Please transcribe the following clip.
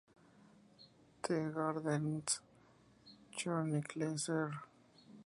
The Gardeners' Chronicle, ser.